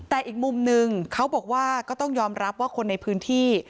แต่อีกมุมนึงเขาบอกว่าก็ต้องยอมรับว่าคนในพื้นที่